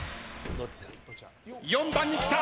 ４番に来た！